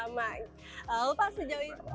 lupa pak sejoe itu